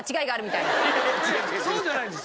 そうじゃないんです。